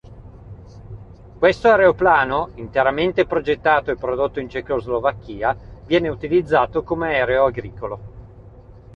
Questo aeroplano, interamente progettato e prodotto in Cecoslovacchia, viene utilizzato come aereo agricolo.